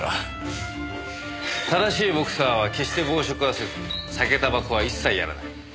正しいボクサーは決して暴食はせず酒たばこは一切やらない。